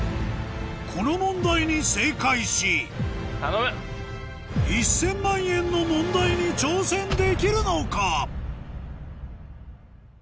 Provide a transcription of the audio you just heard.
この問題に正解し１０００万円の問題に挑戦できるのか？